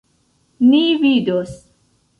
Ni vidos.